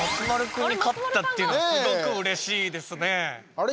あれ？